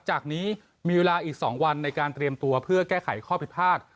จากนี้มีเวลาอีก๒วันในการเตรียมตัวเพื่อแก้ไขข้อพิพาท